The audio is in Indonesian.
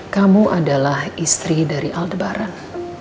kamu adalah istri dari aldebaran